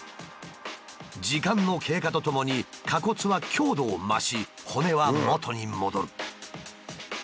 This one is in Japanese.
時間の経過とともに仮骨は強度を増し骨は元に戻る。